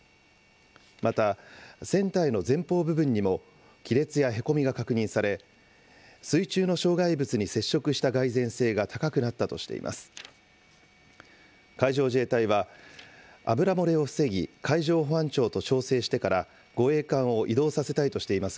また、船体の前方部分にも亀裂やへこみが確認され、水中の障害物に接触した蓋然性が高くなったとしています。